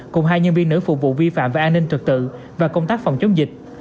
cùng hai nhân viên nữ phục vụ vi phạm về an ninh trực tự và công tác phòng chống dịch